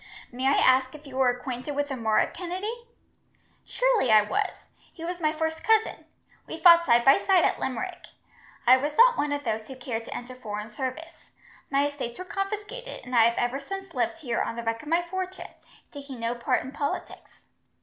May I ask if you were acquainted with a Murroch Kennedy?" "Surely I was. He was my first cousin. We fought side by side at Limerick. I was not one of those who cared to enter foreign service. My estates were confiscated, and I have ever since lived here on the wreck of my fortune, taking no part in politics.